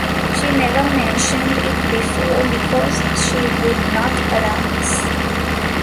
She never mentioned it before, because she would not alarm us.